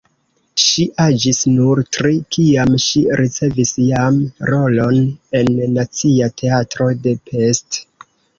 Ŝi aĝis nur tri, kiam ŝi ricevis jam rolon en Nacia Teatro de Pest.